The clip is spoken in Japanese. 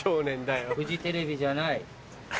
フジテレビじゃない。